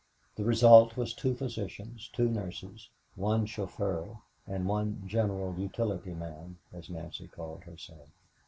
The result was two physicians, two nurses, one chauffeur and one "general utility man," as Nancy called herself.